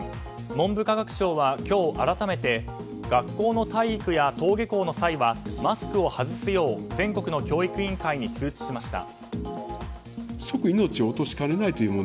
文部科学省は今日、改めて学校の体育や登下校の際はマスクを外すよう全国の教育委員会に通知しました。